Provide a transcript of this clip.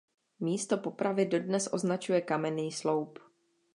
Místo popravy dodnes označuje kamenný sloup.